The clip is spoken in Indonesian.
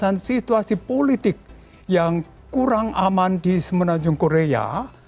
dan alasan situasi politik yang kurang aman di semenanjung korea